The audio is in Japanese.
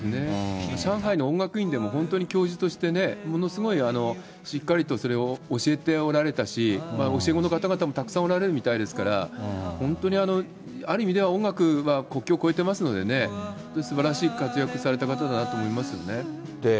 上海の音楽院でも、本当に教授として、ものすごいしっかりとそれを教えておられたし、教え子の方々もたくさんおられるみたいですから、本当に、ある意味では、音楽は国境を越えてますのでね、すばらしい活躍された方だなと思いますよね。